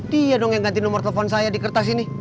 dia dong yang ganti nomor telepon saya di kertas ini